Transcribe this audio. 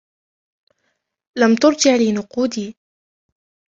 لم ترجع لي نقودي.